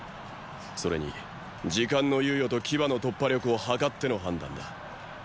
それに時間の猶予と騎馬の突破力を計っての判断だ。